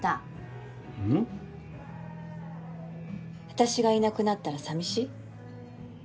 私がいなくなったら寂しい？